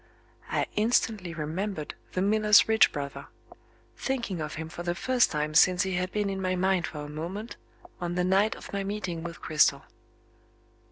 I instantly remembered the miller's rich brother; thinking of him for the first time since he had been in my mind for a moment, on the night of my meeting with Cristel.